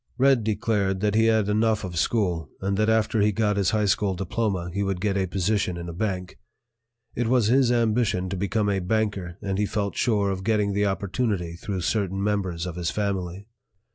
"Red" declared that he had enough of school and that after he got his high school diploma, he would get a position in a bank. It was his ambition to become a banker and he felt sure of getting the opportunity through certain members of his family.